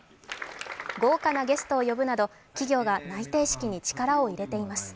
豪華なゲストを呼ぶなど企業が内定式に力を入れています。